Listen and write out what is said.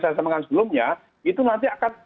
saya sampaikan sebelumnya itu nanti akan